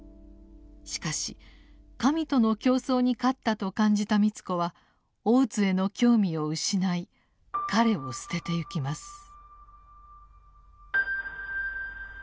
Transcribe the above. しかし神との競争に勝ったと感じた美津子は大津への興味を失い彼を棄ててゆきます。